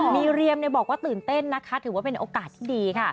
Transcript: มีเรียมบอกว่าตื่นเต้นนะคะถือว่าเป็นโอกาสที่ดีค่ะ